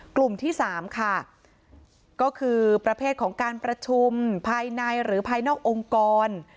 กลุ่มที่สามค่ะก็คือประเภทของการประชุมภายในหรือภายนอกองค์กร